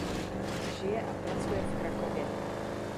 Žije a pracuje v Krakově.